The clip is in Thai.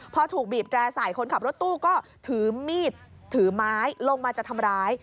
พอถูกบีบแตร่ใส่คนขับรถตู้ก็ถือมีดถือไม้ลงมาจะทำร้าย